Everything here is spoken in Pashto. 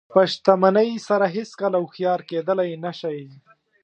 په شتمنۍ سره هېڅکله هوښیار کېدلی نه شئ.